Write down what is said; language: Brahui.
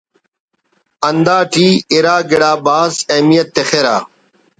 ہندا ٹی اِرا گڑا بھاز اہمیت تخرہ